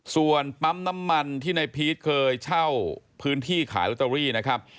ส่วนปั๊มน้ำมันที่ในพีชเคยเช่าพื้นที่ขายลอตเตอรี่นะครับ